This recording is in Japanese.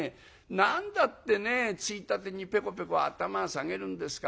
何だってね衝立にペコペコ頭下げるんですか？」。